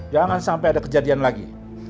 jangan sampai ada kejadian lagi